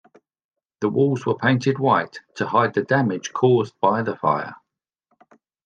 The walls were painted white to hide the damage caused by the fire.